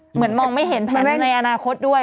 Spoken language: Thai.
มองไม่เห็นแผนในอนาคตด้วย